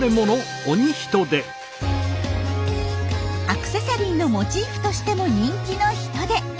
アクセサリーのモチーフとしても人気のヒトデ。